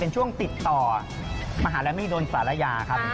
ช่วงติดต่อมหาลัยมหิดลศาลยาครับ